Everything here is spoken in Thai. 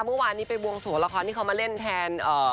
เมื่อวานนี้ไปบวงโสราคอนี่เขามาเล่น